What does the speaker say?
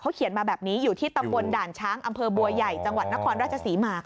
เขียนมาแบบนี้อยู่ที่ตำบลด่านช้างอำเภอบัวใหญ่จังหวัดนครราชศรีมา